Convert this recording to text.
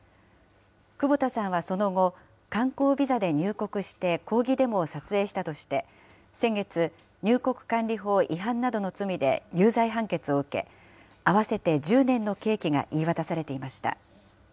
久保田さんはその後、観光ビザで入国して抗議デモを撮影したとして、先月、入国管理法違反などの罪で有罪判決を受け、合わせて１０年の刑期が言い渡されていました。